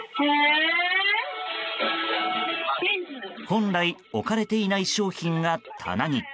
本来、置かれていない商品が棚に。